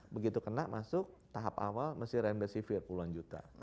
begitu kena masuk tahap awal mesti remdesivir puluhan juta